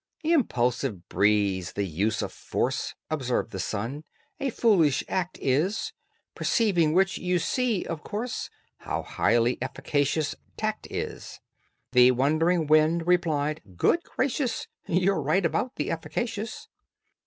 "Impulsive breeze, the use of force," Observed the sun, "a foolish act is, Perceiving which, you see, of course. How highly efficacious tact is." The wondering wind replied, "Good gracious! You're right about the efficacious."